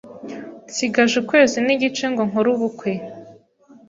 nsigaje ukwezi n’igice ngo nkore ubukwe,